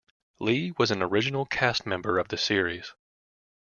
Lee was an original cast member of the series.